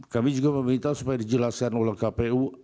kami juga meminta supaya dijelaskan oleh kpu